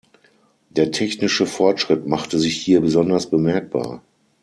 Der technische Fortschritt machte sich hier besonders bemerkbar.